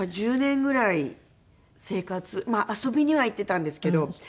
まあ遊びには行っていたんですけど。